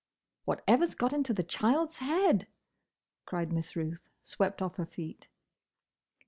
"Whatever's got into the child's head?" cried Miss Ruth, swept off her feet.